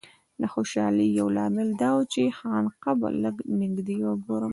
د خوشالۍ یو لامل دا و چې خانقاه به له نږدې وګورم.